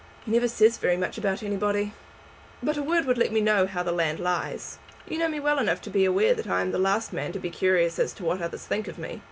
"He never says very much about anybody." "But a word would let me know how the land lies. You know me well enough to be aware that I am the last man to be curious as to what others think of me.